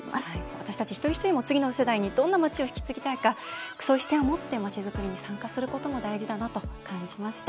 私たち一人一人も次の世代にどんな街を引き継ぎたいかそういう視点を持ってまちづくりに参加することも大事だなと感じました。